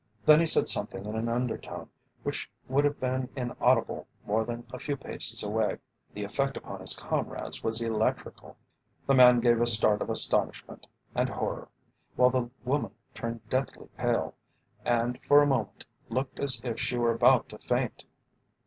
Then he said something in an undertone which would have been inaudible more than a few paces away. The effect upon his comrades was electrical. The man gave a start of astonishment and horror, while the woman turned deathly pale, and for a moment looked as if she were about to faint.